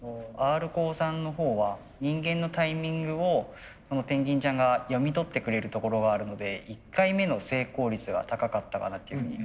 Ｒコーさんのほうは人間のタイミングをペンギンちゃんが読み取ってくれるところがあるので１回目の成功率が高かったかなっていうふうに思います。